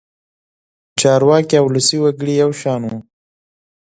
چارواکي او ولسي وګړي یو شان وو.